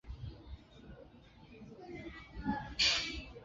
我们应该先告诉谁？